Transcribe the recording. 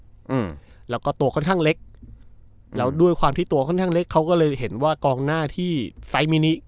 อืมแล้วก็ตัวค่อนข้างเล็กแล้วด้วยความที่ตัวค่อนข้างเล็กเขาก็เลยเห็นว่ากองหน้าที่ไฟล์มินิ